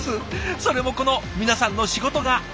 それもこの皆さんの仕事があってこそ。